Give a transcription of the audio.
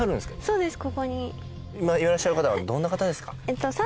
そうです